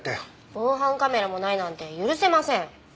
防犯カメラもないなんて許せません。